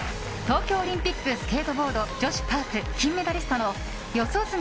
東京オリンピックスケートボード女子パーク金メダリストの四十住